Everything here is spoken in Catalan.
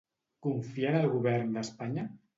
Confia en el govern d'Espanya?